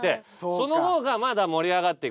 その方がまだ盛り上がっていく。